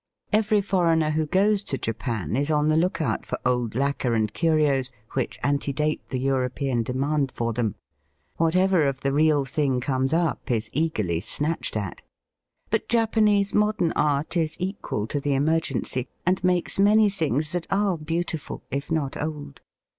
Every foreigner who goes to Japan is on the look out for old lacquer and curios which antedate the European demand for them. Whatever of the real thing comes up is eagerly gnatched at. But Japanese modern art is equal to the emergency, and makes many things that are beautiful if not old.